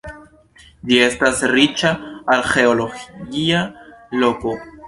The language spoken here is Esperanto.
Ĝi estas riĉa arĥeologia loko.